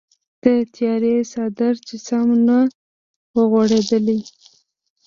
د تیارې څادر چې سم نه وغوړیدلی و.